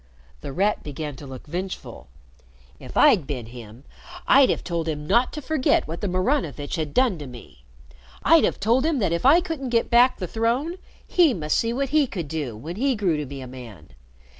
The Rat began to look vengeful. "If I'd bin him I'd have told him not to forget what the Maranovitch had done to me. I'd have told him that if I couldn't get back the throne, he must see what he could do when he grew to be a man.